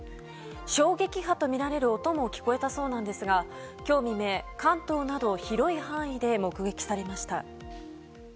衝撃波とみられる音も聞こえたそうなんですが今日未明、関東など広い範囲で目撃されました。